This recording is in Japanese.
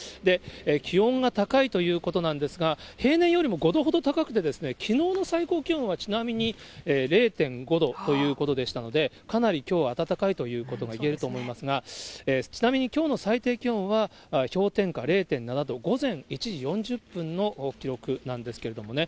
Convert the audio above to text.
気温が高いということなんですが、平年よりも５度ほど高くてですね、きのうの最高気温はちなみに０．５度ということでしたので、かなりきょうは暖かいということがいえると思いますが、ちなみにきょうの最低気温は、氷点下０．７度、午前１時４０分の記録なんですけれどもね。